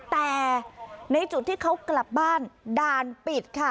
แต่ในจุดที่เขากลับบ้านด่านปิดค่ะ